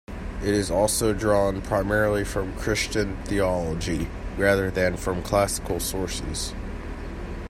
It is also drawn primarily from Christian theology, rather than from classical sources.